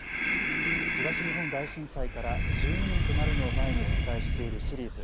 東日本大震災から１２年となるのを前にお伝えしているシリーズ。